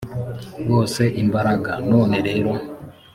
bose imbaraga. none rero